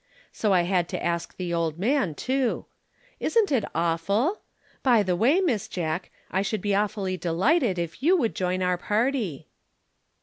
So I had to ask the old man, too. Isn't it awful? By the way, Miss Jack, I should be awfully delighted if you would join our party!"